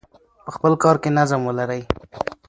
په خپل کار کې نظم ولرئ.